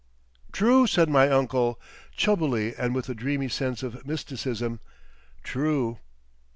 "True," said my uncle, chubbily and with a dreamy sense of mysticism; "true!"